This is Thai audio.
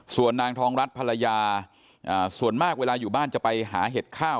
ส่วนนางทองรัฐภรรยาส่วนมากเวลาอยู่บ้านจะไปหาเห็ดข้าว